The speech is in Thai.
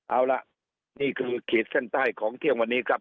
เอาล่ะนี่คือขีดเส้นใต้ของเที่ยงวันนี้ครับ